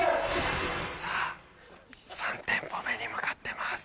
さあ３店舗目に向かってます。